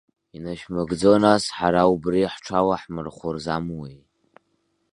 Инашәмыгӡо нас, ҳара убри ҳҽалаҳмырхәыр замуеи?!